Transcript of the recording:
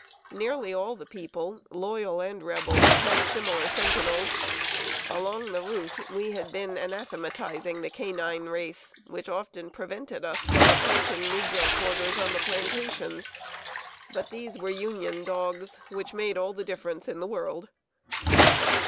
Nearly all the people, Loyal and Rebel, had similar sentinels. Along the route, we had been anathematizing the canine race, which often prevented us from approaching negro quarters on the plantations; but these were Union dogs, which made all the difference in the world.